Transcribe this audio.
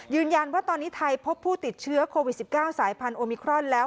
ยืนยันว่าตอนนี้ไทยพบผู้ติดเชื้อโควิด๑๙สายพันธุมิครอนแล้ว